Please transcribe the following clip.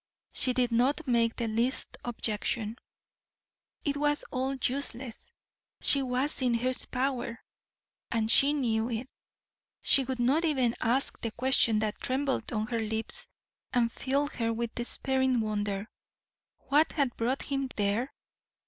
She did not make the least objection; it was all useless, she was in his power, and she knew it; she would not even ask the question that trembled on her lips, and filled her with despairing wonder what had brought him there?